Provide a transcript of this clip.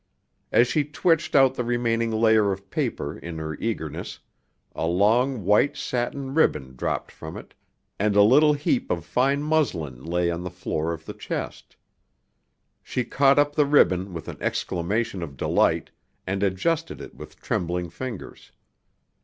As she twitched out the remaining layer of paper in her eagerness, a long white satin ribbon dropped from it, and a little heap of fine muslin lay on the floor of the chest. She caught up the ribbon with an exclamation of delight and adjusted it with trembling fingers.